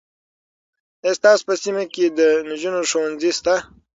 آیا ستاسو په سیمه کې د نجونو ښوونځی سته؟